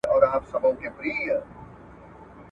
چي سي طوق د غلامۍ د چا په غاړه !.